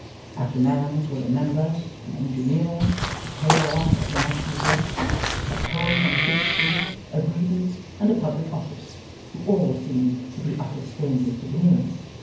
At the man's were a Member, an Engineer, a Payer off of the National Debt, a Poem on Shakespeare, a Grievance, and a Public Office, who all seem to be utter strangers to Veneering.